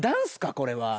これは。